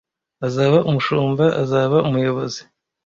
azaba umushumba azaba umuyobozi